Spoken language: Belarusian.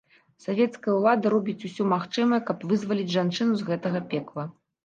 Савецкая ўлада робіць усё магчымае, каб вызваліць жанчыну з гэтага пекла.